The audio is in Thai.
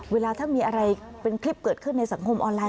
เวลาถ้ามีอะไรเป็นคลิปเกิดขึ้นในสังคมออนไลน